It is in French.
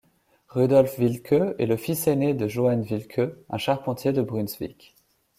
Rudolf Wilke est le fils aîné de Johann Wilke, un charpentier de Brunswick.